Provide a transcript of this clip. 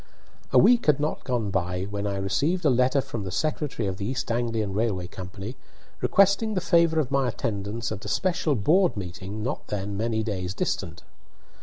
A week had not gone by when I received a letter from the secretary of the East Anglian Railway Company, requesting the favour of my attendance at a special board meeting not then many days distant.